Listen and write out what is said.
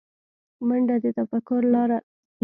منډه د تفکر لاره ده